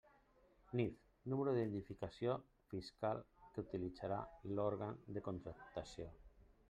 NIF: número d'identificació discal que utilitzarà l'òrgan de contractació.